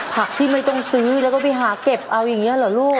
ผักที่ไม่ต้องซื้อแล้วก็ไปหาเก็บเอาอย่างนี้เหรอลูก